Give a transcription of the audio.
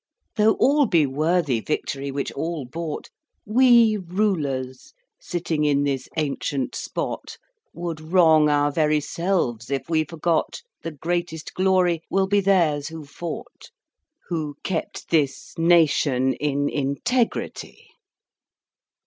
Though all be worthy Victory which all bought, We rulers sitting in this ancient spot Would wrong our very selves if we forgot The greatest glory will be theirs who fought, Who kept this nation in integrity."